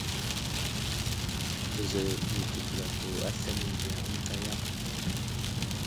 Bəza yo ɗi təvelato aslam mənziya ənta yam.